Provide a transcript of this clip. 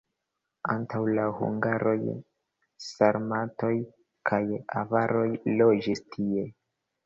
Antaŭ la hungaroj sarmatoj kaj avaroj loĝis tie.